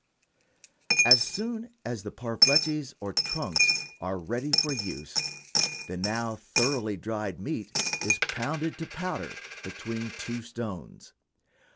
As soon as these parfleches, or trunks, are ready for use, the now thoroughly dried meat is pounded to powder between two stones.